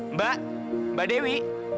mbak mbak dewi